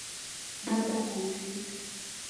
Baba amefika.